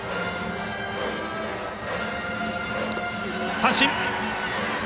三振！